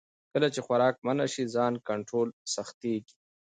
کله چې خوراک منع شي، ځان کنټرول سخت کېږي.